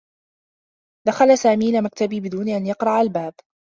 دخل سامي إلى مكتبي بدون أن يقرع الباب.